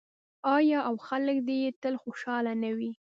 آیا او خلک دې یې تل خوشحاله نه وي؟